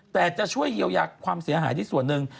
แต่จะช่วยเยียวยาความเสียหายที่ส่วนหนึ่ง